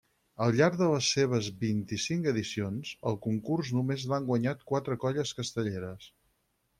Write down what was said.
Al llarg de les seves vint-i-cinc edicions, el concurs només l'han guanyat quatre colles castelleres.